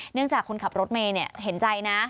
เนื่องจากคนขับรถเมเห็นใจนะ